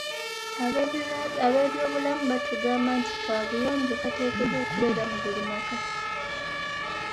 Ab'ebyobulamu batugamba nti kabuyonjo kateekeddwa okubeera mu buli maka.